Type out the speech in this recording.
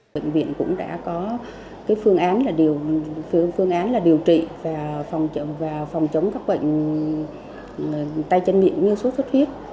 bệnh viện cũng đã có phương án điều trị và phòng chống các bệnh tay chân miệng như sốt suốt huyết